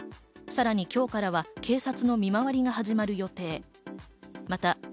さらに今日からは警察の見回りが始まる予定。